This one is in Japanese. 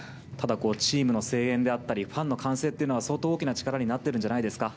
チームの声援だったりファンの歓声は相当大きな力になってるんじゃないですか？